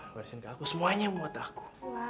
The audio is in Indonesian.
warisin ke aku semuanya buat aku